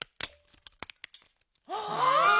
あ！